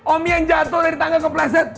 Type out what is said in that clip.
om yang jatuh dari tangga kepleset